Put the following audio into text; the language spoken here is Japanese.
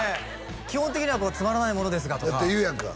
基本的には「つまらないものですが」とかって言うやんか